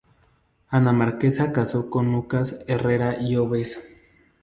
Ana Marquesa casó con Lucas Herrera y Obes.